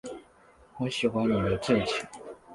我喜欢你的志气